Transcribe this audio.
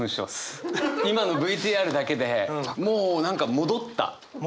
今のＶＴＲだけでもう何か戻った。